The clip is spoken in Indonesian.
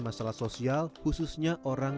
masalah sosial khususnya orang